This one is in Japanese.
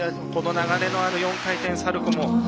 流れのある４回転サルコーも。